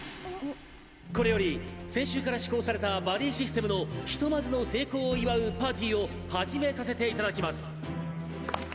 これより先週から施行されたバディシステムのひとまずの成功を祝うパーティーを始めさせて頂きます。